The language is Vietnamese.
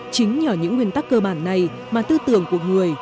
chính nhờ những nguyên tắc cơ bản này mà tư tưởng của người